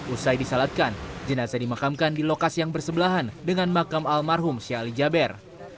usai disalatkan jenazah dimakamkan di lokas yang bersebelahan dengan makam almarhum syahli jabir